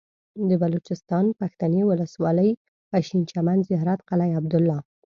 د بلوچستان پښتنې ولسوالۍ پشين چمن زيارت قلعه عبدالله